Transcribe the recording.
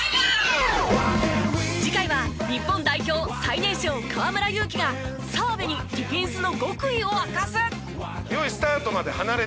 次回は日本代表最年少河村勇輝が澤部にディフェンスの極意を明かす！